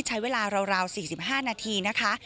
ใช้เวลาราว๔๕นาทีนะคะ